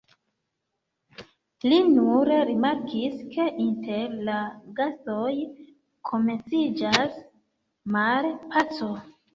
Li nur rimarkis, ke inter la gastoj komenciĝas malpaco.